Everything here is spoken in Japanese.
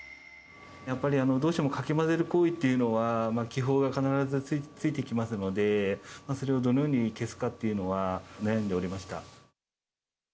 やっぱりどうしてもかき混ぜる行為というのは、気泡が必ずついてきますので、それをどのように消すかというのは悩んでおりました。